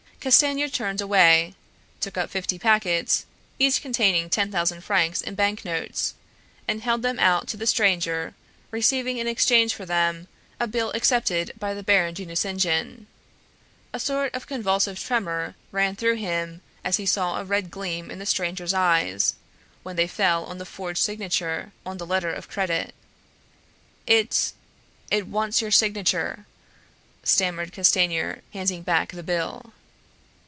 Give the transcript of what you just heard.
Castanier turned away, took up fifty packets, each containing ten thousand francs in bank notes, and held them out to the stranger, receiving in exchange for them a bill accepted by the Baron de Nucingen. A sort of convulsive tremor ran through him as he saw a red gleam in the stranger's eyes when they fell on the forged signature on the letter of credit. "It ... it wants your signature ..." stammered Castanier, handing back the bill.